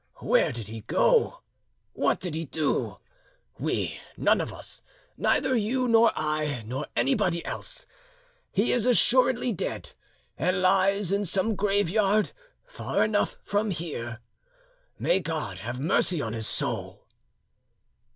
Where did he go? What did he do? We none of us know, neither you nor I, nor anybody else. He is assuredly dead, and lies in some graveyard far enough from here. May God have mercy on his soul!"